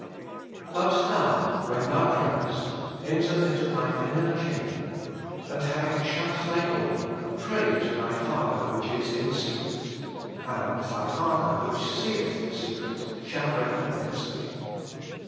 But thou, when thou prayest, enter into thine inner cha7nbcr, and having shut thy door, pray to thy Father which is in secret, and thy Father which seeth in secret shall recompense thee.